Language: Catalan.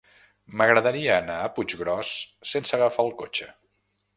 M'agradaria anar a Puiggròs sense agafar el cotxe.